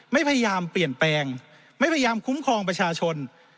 ไม่พยายามเปลี่ยนแปลงไม่พยายามคุ้มครองประชาชน